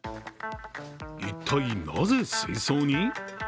一体、なぜ水槽に？